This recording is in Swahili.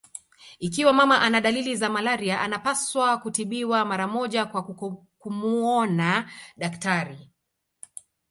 Ikiwa mama ana dalili za malaria anapaswa kutibiwa mara moja kwa kumuona daktari